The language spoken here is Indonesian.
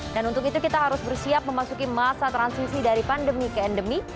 dan untuk itu kita harus bersiap memasuki masa transisi dari pandemi ke endemi